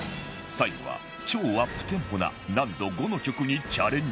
最後は超アップテンポな難度５の曲にチャレンジしてもらう